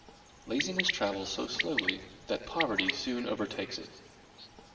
Laziness travels so slowly that poverty soon overtakes it.